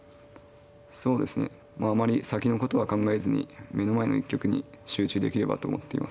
そうですねまああまり先のことは考えずに目の前の一局に集中できればと思っています。